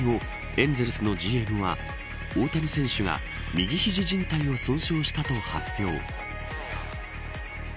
エンゼルスのＧＭは大谷選手が右肘靱帯を損傷したと発表。